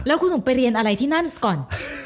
แล้วคุณหนุ่มไปเรียนอะไรที่นั่นก่อน